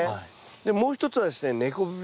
でもう一つはですね根こぶ病。